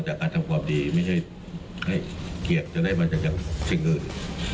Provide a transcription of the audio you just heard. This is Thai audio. การทำความดีไม่ใช่ให้เกียรติจะได้มาจากสิ่งอื่น